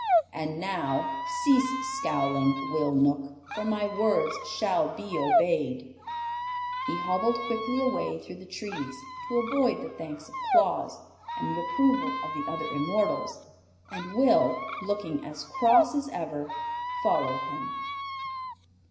And now cease scowling, Will Knook, for my words shall be obeyed!" He hobbled quickly away through the trees, to avoid the thanks of Claus and the approval of the other immortals, and Will, looking as cross as ever, followed him.